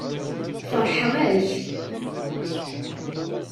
Feṛḥeɣ-ak.